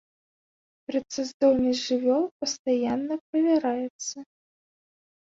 Працаздольнасць жывёл пастаянна правяраецца.